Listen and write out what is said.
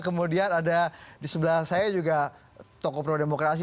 kemudian ada di sebelah saya juga tokoh pro demokrasi